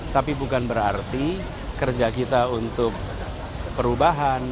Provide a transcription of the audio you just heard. tapi bukan berarti kerja kita untuk perubahan